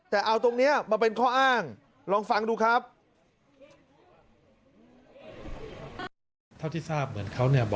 แต่เอาตรงนี้มาเป็นข้ออ้างลองฟังดูครับ